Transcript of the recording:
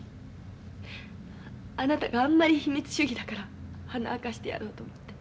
あなたがあんまり秘密主義だから鼻明かしてやろうと思って。